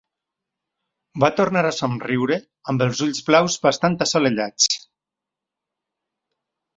Va tornar a somriure, amb els ulls blaus bastant assolellats.